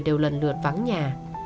đều lần lượt vắng nhà